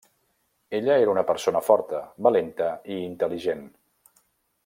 Ella era una persona forta, valenta i intel·ligent.